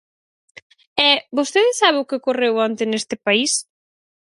E ¿vostede sabe o que ocorreu onte neste país?